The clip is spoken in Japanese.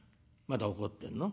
まだ怒ってんの？